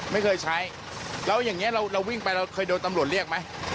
ไม่เคยใช้เราอย่างเนี้ยเราเราวิ่งไปเราเคยโดนตำโหลดเรียกไหม